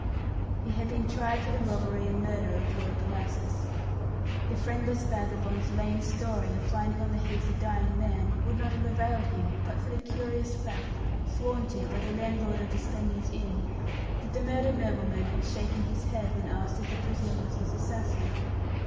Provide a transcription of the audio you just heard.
He had been tried for the robbery and murder of Lord Bellasis. The friendless vagabond's lame story of finding on the Heath a dying man would not have availed him, but for the curious fact sworn to by the landlord of the Spaniards' Inn, that the murdered nobleman had shaken his head when asked if the prisoner was his assassin.